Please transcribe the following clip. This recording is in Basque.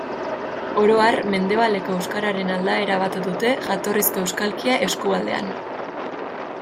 Oro har, Mendebaleko euskararen aldaera bat dute jatorrizko euskalkia eskualdean.